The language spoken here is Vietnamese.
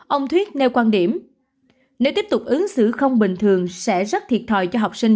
ông thuyết nêu quan điểm nếu tiếp tục ứng xử không bình thường sẽ rất thiệt thòi cho học sinh